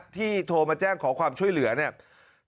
โทรมาแจ้งขอความช่วยเหลือเนี่ย